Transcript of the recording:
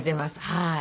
はい。